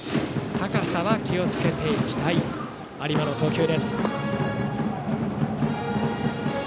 高さには気をつけていきたい有馬の投球。